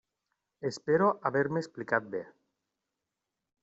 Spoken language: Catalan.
Espero haver-me explicat bé.